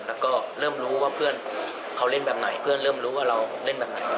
แล้วก็เริ่มรู้ว่าเพื่อนเขาเล่นแบบไหนเพื่อนเริ่มรู้ว่าเราเล่นแบบไหน